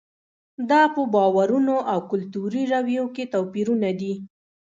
دا په باورونو او کلتوري رویو کې توپیرونه دي.